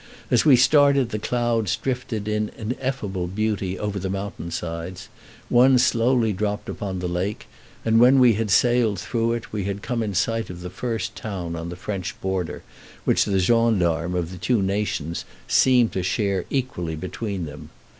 As we started, the clouds drifted in ineffable beauty over the mountain sides; one slowly dropped upon the lake, and when we had sailed through it we had come in sight of the first town on the French border, which the gendarmes of the two nations seemed to share equally between them.